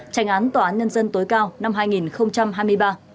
trành án tòa án nhân dân tối cao năm hai nghìn hai mươi ba